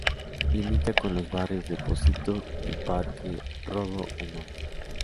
Limita con los barrios de Pocitos y Parque Rodó al norte.